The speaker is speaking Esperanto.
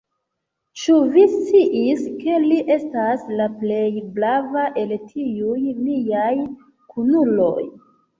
Ĉu vi sciis, ke li estas la plej brava el tiuj miaj kunuloj?